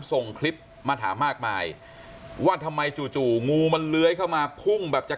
ส่งคลิปมาถามมากมายว่าทำไมจู่งูมันเลื้อยเข้ามาพุ่งแบบจะ